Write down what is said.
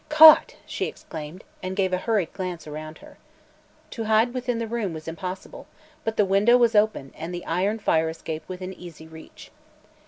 "Caught!" she exclaimed, and gave a hurried glance around her. To hide within the room was impossible, but the window was open and the iron fire escape within easy reach.